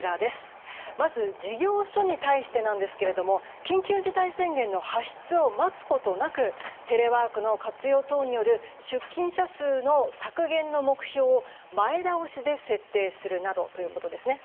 まず、事業所に対してなんですけれど緊急事態宣言の発出を待つことなくテレワークの活用等による出勤者数の削減の目標を前倒しで設定するなどということです。